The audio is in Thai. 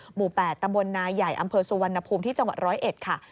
หมู่๘ตำบลนาใหญ่อำเภอสุวรรณภูมิที่จังหวัด๑๐๑ค่ะ